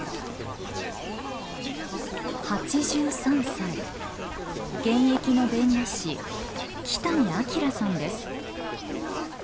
８３歳現役の弁護士木谷明さんです。